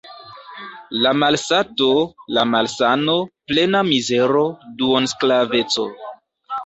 La malsato, la malsano, plena mizero, duonsklaveco.